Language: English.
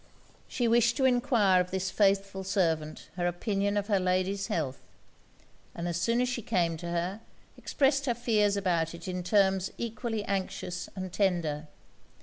She wished to enquire of this faithful servant her opinion of her lady's health. And as soon as she came to her, expressed her fears about it in terms equally anxious and tender.